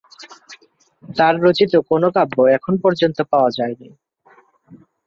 তার রচিত কোনো কাব্য এখন পর্যন্ত পাওয়া যায়নি।